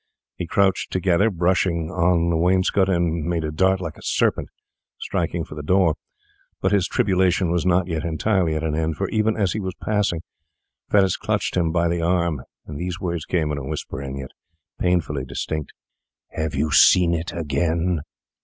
He crouched together, brushing on the wainscot, and made a dart like a serpent, striking for the door. But his tribulation was not yet entirely at an end, for even as he was passing Fettes clutched him by the arm and these words came in a whisper, and yet painfully distinct, 'Have you seen it again?